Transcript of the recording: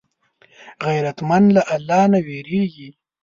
غیرتمند له الله نه وېرېږي